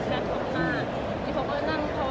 หรือว่าเราจะหยุดแพร่ท้องผ้า